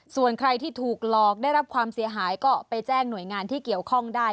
ส่วนใครที่ถูกหลอกได้รับความเสียหายก็ไปแจ้งหน่วยงานที่เกี่ยวข้องได้